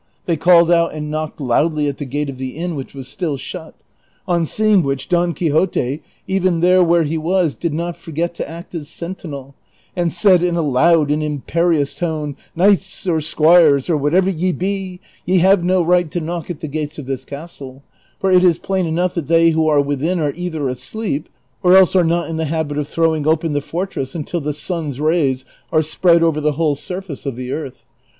They called out and knocked loudly at the gate of the inn, which Avas still shut ; on seeing which, Don Quixote, even there Avhere he was, did not forget to act as sentinel, and said in a loud and imperious tone, " Knights, or squires, or whatever ye be, ye have no right to knock at the gates of this castle ; for it is plain enough that they who are within are either asleep, or else are not in the habit of throwing open the fortress until the sun's rays are spread over the whole surface of the earth.